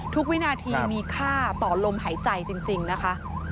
วินาทีมีค่าต่อลมหายใจจริงนะคะ